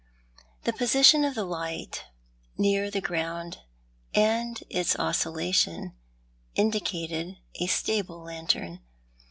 The position of the light— near the ground— and its oscilla tion, indicated a stable lantern.